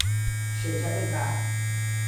شرکت برق